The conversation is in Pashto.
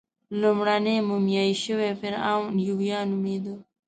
لومړنی مومیایي شوی فرعون یویا نومېده.